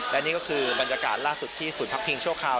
และนี่ก็คือบรรยากาศล่าสุดที่ศูนย์พักพิงชั่วคราว